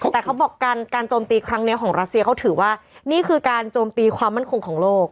แต่เขาบอกการโจมตีครั้งนี้ของรัสเซียเขาถือว่านี่คือการโจมตีความมั่นคงของโลก